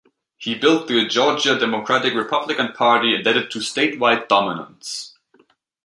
He built the Georgia Democratic-Republican party and led it to statewide dominance.